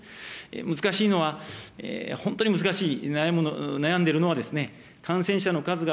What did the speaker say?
難しいのは、本当に難しい、悩んでるのは、感染者の数が、